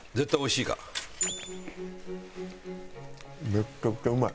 めちゃくちゃうまい！